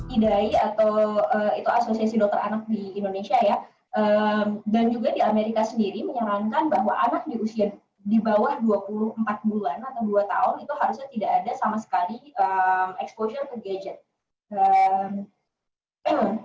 idai atau itu asosiasi dokter anak di indonesia ya dan juga di amerika sendiri menyarankan bahwa anak di usia di bawah dua puluh empat bulan atau dua tahun itu harusnya tidak ada sama sekali exposure to gadget